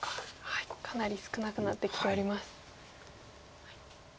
はいかなり少なくなってきております。